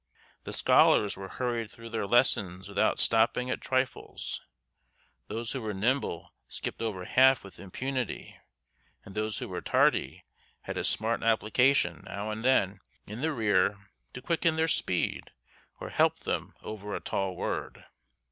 The scholars were hurried through their lessons without stopping at trifles; those who were nimble skipped over half with impunity, and those who were tardy had a smart application now and then in the rear to quicken their speed or help them over a tall word.